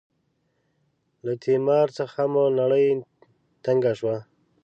له تیمار څخه مو نړۍ تنګه شوه.